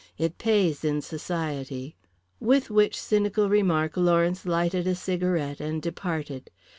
It pays in society." With which cynical remark Lawrence lighted a cigarette and departed.